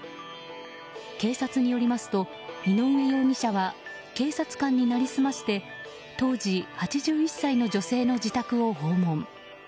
警察によりますと井上容疑者は警察官に成り済まして当時８１歳の女性の自宅を訪問。